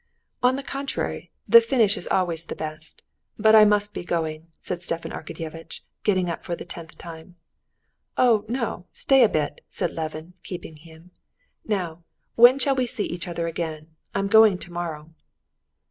"On the contrary, the finish is always the best. But I must be going," said Stepan Arkadyevitch, getting up for the tenth time. "Oh, no, stay a bit!" said Levin, keeping him. "Now, when shall we see each other again? I'm going tomorrow."